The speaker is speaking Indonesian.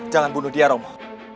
jangan bunuh dia romo